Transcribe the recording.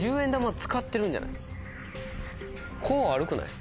こうあるくない？